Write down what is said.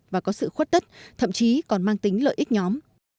và có sự khuất tất thậm chí còn mang tính lợi ích nhóm